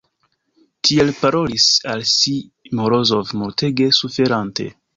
Tiel parolis al si Morozov, multege suferante.